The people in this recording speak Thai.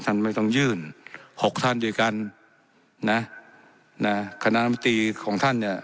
ท่านไม่ต้องยื่นหกท่านด้วยกันนะนะคณะมนตรีของท่านเนี่ย